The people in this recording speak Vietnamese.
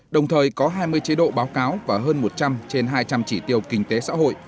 đồng thời có hai mươi chế độ báo cáo và hơn một trăm linh trên hai trăm linh chỉ tiêu kinh tế xã hội